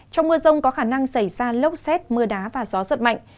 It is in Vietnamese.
trong mưa rông có khả năng xảy ra lốc xét mưa đá và gió giật mạnh